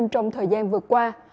trong thời gian vừa qua